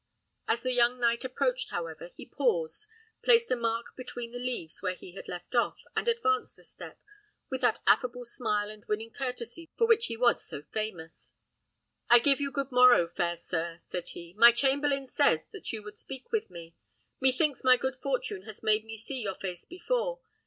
As the young knight approached, however, he paused, placed a mark between the leaves where he had left off, and advanced a step, with that affable smile and winning courtesy for which he was so famous. "I give you good morrow, fair sir!" said he. "My chamberlain says that you would speak with me. Methinks my good fortune has made me see your face before.